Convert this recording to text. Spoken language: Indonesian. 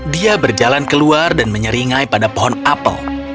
dia berjalan keluar dan menyeringai pada pohon apel